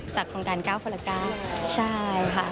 โครงการ๙คนละ๙ใช่ค่ะ